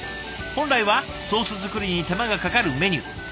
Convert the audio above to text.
本来はソース作りに手間がかかるメニュー。